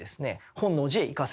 本能寺へ行かせたと。